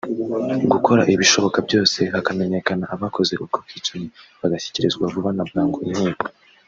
gukora ibishoboka byose hakamenyekana abakoze ubwo bwicanyi bagashyikirizwa vuba na bwangu inkiko